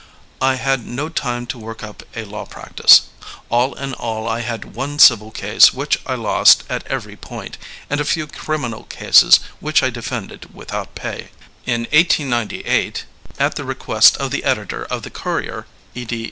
I had no time to work up a law practice. All in all I had one civil case which I lost at every point, and a few criminal cases which I defended without pay. In 1898, at the request of the editor of the Courier, E. D.